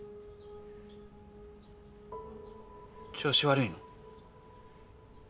調子悪いの？